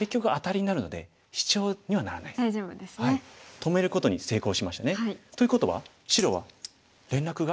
止めることに成功しましたね。ということは白は連絡が。